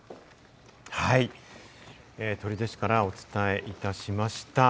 はい、取手市からお伝えいたしました。